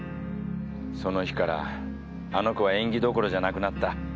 その日からあの子は演技どころじゃなくなった。